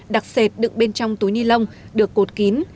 đặc sệt đựng bên trong túi ni lông được cột kín